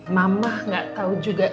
mama gak tau juga